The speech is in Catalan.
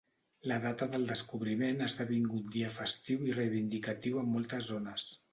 La data del descobriment ha esdevingut dia festiu i reivindicatiu en moltes zones.